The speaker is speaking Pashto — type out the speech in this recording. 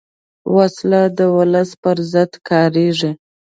وسله د ولس پر ضد کارېږي